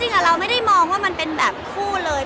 จริงจริงอะเราจะไม่ได้มาว่ามันเป็นแบบคู่เลย